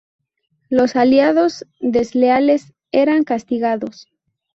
Los aliados desleales eran castigados.